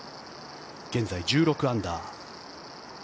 現在、１６アンダー。